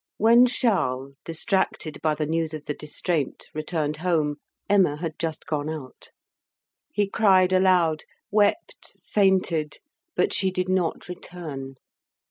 When Charles, distracted by the news of the distraint, returned home, Emma had just gone out. He cried aloud, wept, fainted, but she did not return.